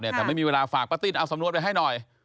แต่ไม่มีเวลาฝากป้าติ้นเอาสำนวนไปให้หน่อย